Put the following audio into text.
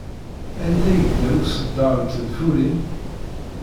Anda yella uṣeddar n tenfulin?